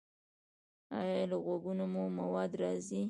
ایا له غوږونو مو مواد راځي؟